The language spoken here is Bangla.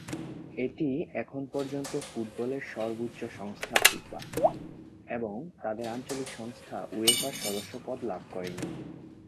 এটি এখন পর্যন্ত ফুটবলের সর্বোচ্চ সংস্থা ফিফা এবং তাদের আঞ্চলিক সংস্থা উয়েফার সদস্যপদ লাভ করেনি।